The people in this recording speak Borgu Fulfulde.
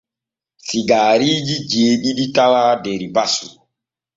Sigaariiji jeeɗiɗi tawaa der basu.